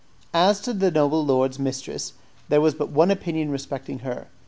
As to the noble lord's mistress, there was but one opinion respecting her.